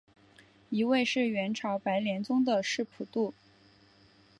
一位是元朝白莲宗的释普度。